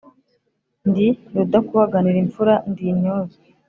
Ndi rudakubaganira imfura ndi intyoza